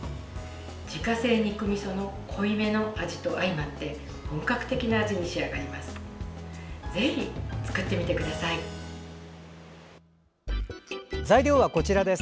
自家製肉みその濃いめの味と相まって本格的な味に仕上がります。